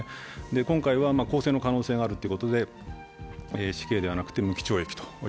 今回は更生の可能性があるということで死刑ではなく無期懲役と。